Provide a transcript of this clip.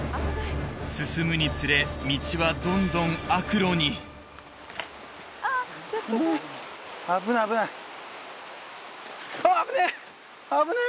進むにつれ道はどんどん悪路に危ない危ないあっ危ねっ！